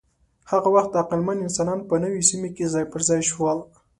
هغه وخت عقلمن انسانان په نویو سیمو کې ځای پر ځای شول.